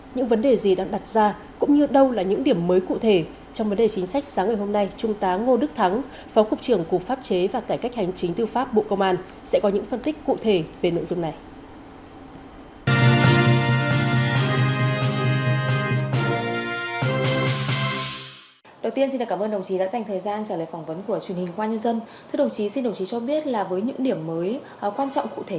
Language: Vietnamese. những vấn đề gì đang đặt ra cũng như đâu là những điểm mới cụ thể trong vấn đề chính sách sáng ngày hôm nay trung tá ngô đức thắng phó cục trưởng cục pháp chế và cải cách hành chính tư pháp bộ công an sẽ có những phân tích cụ thể về nội dung này